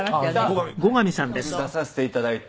出させていただいて。